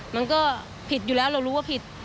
มันก็ผิดอยู่แล้วเรารู้ว่าผิด